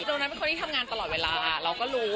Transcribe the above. ตรงนั้นเป็นคนที่ทำงานตลอดเวลาเราก็รู้